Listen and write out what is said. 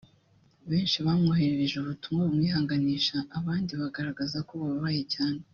benshi bamwoherereje ubutumwa bumwihanganisha abandi bagaragaza ko bababaye cyane